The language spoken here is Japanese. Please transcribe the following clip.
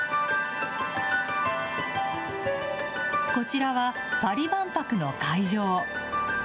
こちらは、パリ万博の会場。